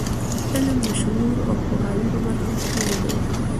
علم د شعور او پوهاوي په برخه کې وده ورکوي.